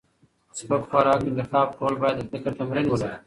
سپک خوراک انتخاب کول باید د فکر تمرین ولري.